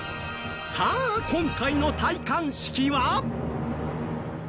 さあ、今回の戴冠式は？